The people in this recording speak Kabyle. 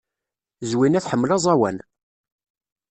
Zwina tḥemmel aẓawan.